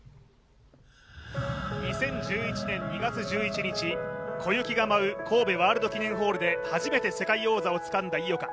２０１１年２月１１日、小雪が舞う神戸ワールド記念ホールで初めて世界王座をつかんだ井岡。